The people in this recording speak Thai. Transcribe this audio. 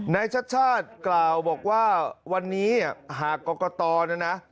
นายชัดชาติกล่าวบอกว่าวันนี้หากกรกตนะนะ